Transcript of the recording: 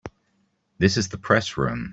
This is the Press Room.